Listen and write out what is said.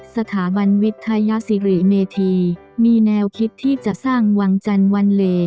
สถาบันวิทยาศิริเมธีมีแนวคิดที่จะสร้างวังจันทร์วันเล